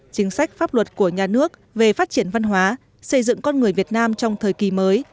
chính sách pháp luật của nhà nước về phát triển văn hóa xây dựng con người việt nam trong thời kỳ mới